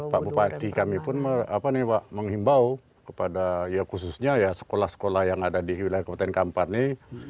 pak bupati kami pun menghimbau kepada khususnya ya sekolah sekolah yang ada di wilayah kabupaten kampar ini